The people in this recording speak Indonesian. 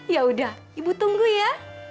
ya udah ibu tunggu ya